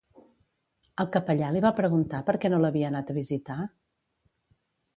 El capellà li va preguntar per què no l'havia anat a visitar?